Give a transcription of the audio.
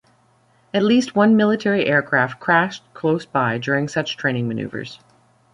At least one military aircraft crashed close by during such training maneuvers.